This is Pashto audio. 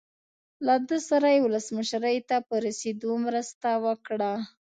له ده سره یې ولسمشرۍ ته په رسېدو کې مرسته وکړه.